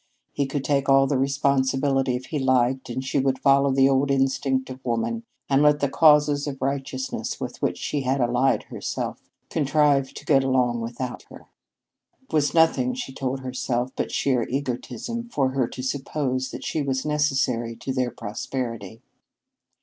He could take all the responsibility if he liked and she would follow the old instincts of woman and let the Causes of Righteousness with which she had allied herself contrive to get along without her. It was nothing, she told herself, but sheer egotism for her to suppose that she was necessary to their prosperity.